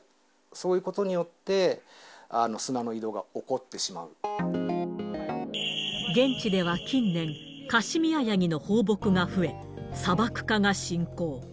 そういうことによって、砂の移動現地では近年、カシミヤヤギの放牧が増え、砂漠化が進行。